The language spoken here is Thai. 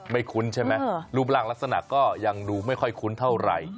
คุ้นใช่ไหมรูปร่างลักษณะก็ยังดูไม่ค่อยคุ้นเท่าไหร่